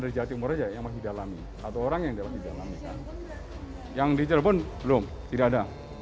reja timur aja yang masih dalami atau orang yang dapat yang di cirebon belum tidak ada